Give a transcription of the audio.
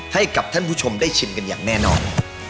ให้กับท่านผู้ชมได้ชิมกันอย่างแน่นอน